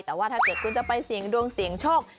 แต่ว่าถ้าเกิดคุณจะไปเสี่ยงดวงเสี่ยงโชค